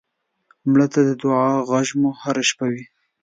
مړه ته د دعا غږ مو هر شپه وي